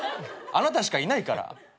あなたしかいない？